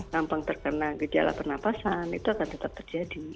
gampang terkena gejala pernafasan itu akan tetap terjadi